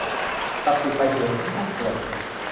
ศักดิ์สิทธิ์ไปเสียทุกสัดส่วน